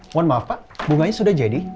mohon maaf pak bunganya sudah jadi